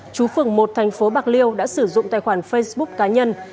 chú phường một thành phố bạc liêu đã sử dụng tài khoản facebook cá nhân